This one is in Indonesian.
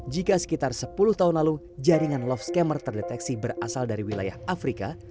jika sekitar sepuluh tahun lalu jaringan love scammer terdeteksi berasal dari wilayah afrika